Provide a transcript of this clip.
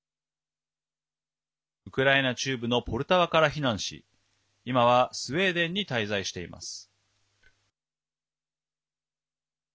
ウクライナ中部のポルタワから避難し今はスウェーデンに滞在しています。